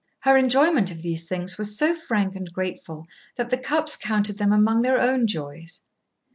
Her enjoyment of these things was so frank and grateful that the Cupps counted them among their own joys.